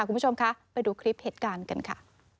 คุณผู้ชมคะไปดูคลิปเหตุการณ์กันค่ะ